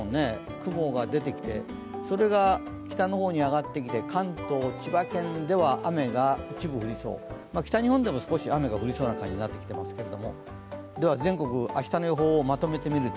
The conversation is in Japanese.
雲が出てきてそれが北の方に上がってきて関東、千葉県では雨が一部降りそう北日本でも少し雨が降りそうな感じになってきていますけど。